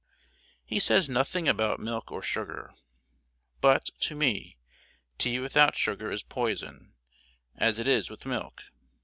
He says nothing about milk or sugar. But, to me, tea without sugar is poison, as it is with milk.